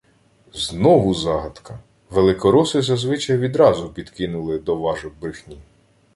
Знову загадка! Великороси зазвичай відразу підкинули «доважок брехні»